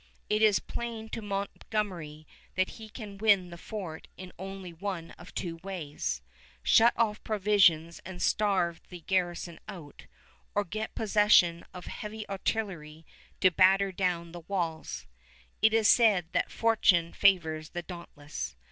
It is plain to Montgomery that he can win the fort in only one of two ways, shut off provisions and starve the garrison out, or get possession of heavy artillery to batter down the walls. It is said that fortune favors the dauntless.